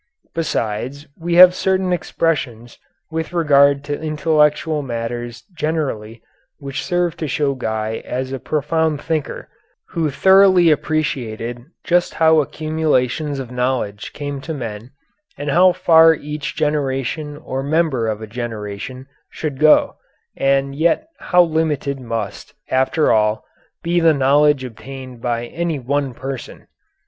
Besides we have certain expressions with regard to intellectual matters generally which serve to show Guy as a profound thinker, who thoroughly appreciated just how accumulations of knowledge came to men and how far each generation or member of a generation should go and yet how limited must, after all, be the knowledge obtained by any one person.